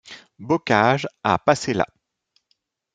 Bocage a passé là.